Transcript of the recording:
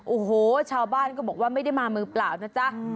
โอ้โหชาวบ้านก็บอกว่าไม่ได้มามือเปล่านะจ๊ะ